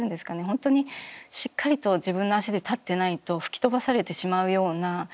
本当にしっかりと自分の足で立ってないと吹き飛ばされてしまうような。